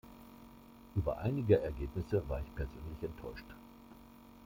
Über einige Ergebnisse war ich persönlich enttäuscht.